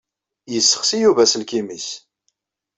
Yessexsi Yuba aselkim-is.